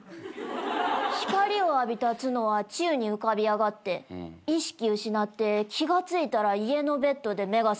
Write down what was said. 光を浴びたつのは宙に浮かび上がって意識失って気が付いたら家のベッドで目が覚めたんだよ。